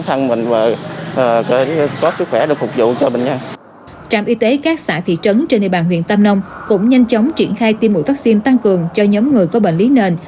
trạm y tế các xã thị trấn trên địa bàn huyện tam nông cũng nhanh chóng triển khai tiêm mũi vaccine tăng cường cho nhóm người có bệnh lý nền